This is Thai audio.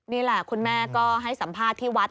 นี่แหละคุณแม่ก็ให้สัมภาษณ์ที่วัด